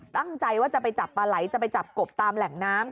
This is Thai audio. ตั้งใจว่าจะไปจับปลาไหลจะไปจับกบตามแหล่งน้ำ